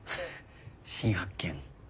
新発見。